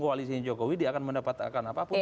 koalisi jokowi dia akan mendapatkan apapun